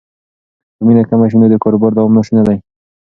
که مینه کمه شي نو د کاروبار دوام ناشونی دی.